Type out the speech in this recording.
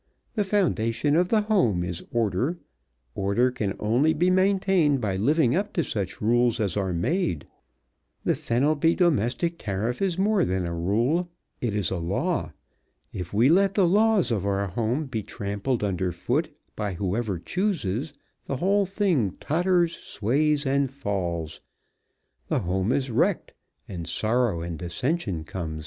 The foundation of the home is order; order can only be maintained by living up to such rules as are made; the Fenelby Domestic Tariff is more than a rule, it is a law. If we let the laws of our home be trampled under foot by whoever chooses the whole thing totters, sways and falls. The home is wrecked and sorrow and dissention come.